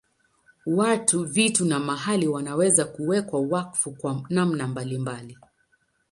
Watu, vitu na mahali wanaweza kuwekwa wakfu kwa namna mbalimbali.